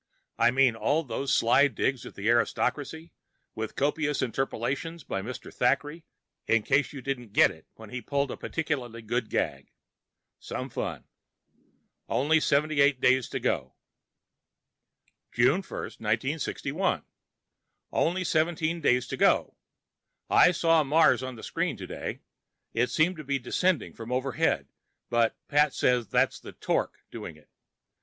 I mean, all those sly digs at the aristocracy, with copious interpolations by Mr. Thackeray in case you didn't get it when he'd pulled a particularly good gag. Some fun. And only 78 days to go. June 1, 1961 Only 17 days to go. I saw Mars on the screen today. It seems to be descending from overhead, but Pat says that that's the "torque" doing it.